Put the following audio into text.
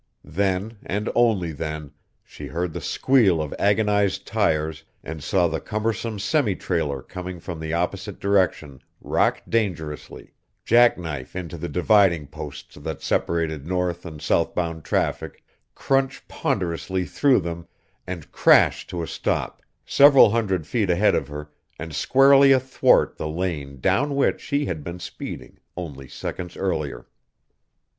Then, and only then, she heard the squeal of agonized tires and saw the cumbersome semitrailer coming from the opposite direction rock dangerously, jackknife into the dividing posts that separated north and south bound traffic, crunch ponderously through them, and crash to a stop, several hundred feet ahead of her and squarely athwart the lane down which she had been speeding only seconds earlier.